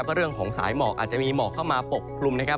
ก็เรื่องของสายหมอกอาจจะมีหมอกเข้ามาปกคลุมนะครับ